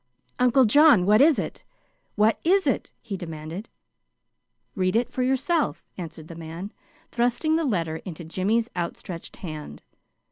"Uncle John, what is it? What is it?" he demanded. "Read it for yourself," answered the man, thrusting the letter into Jimmy's outstretched hand.